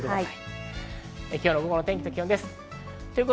今日の午後の天気と気温です。